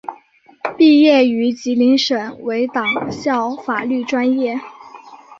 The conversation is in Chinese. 毕业于吉林省委党校法律专业。